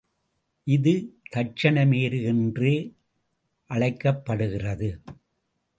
இது தட்சிணமேரு என்றே அழைக்கப்படுகிறது.